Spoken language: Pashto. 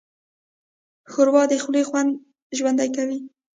ښوروا د خولې خوند ژوندی کوي.